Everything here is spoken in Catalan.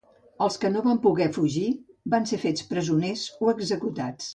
Els que no van poder fugir van ser fets presoners o executats.